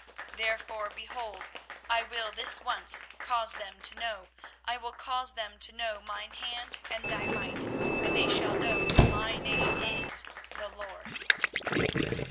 24:016:021 Therefore, behold, I will this once cause them to know, I will cause them to know mine hand and my might; and they shall know that my name is The LORD.